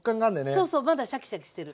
そうそうまだシャキシャキしてる。